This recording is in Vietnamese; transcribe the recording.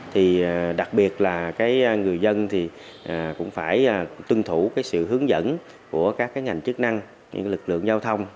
thì đặc biệt là cái người dân thì cũng phải tuân thủ cái sự hướng dẫn của các cái ngành chức năng những lực lượng giao thông